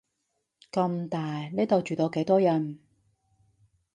咁大，呢度住到幾多人